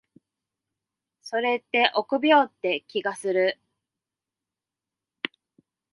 それって臆病って気がする。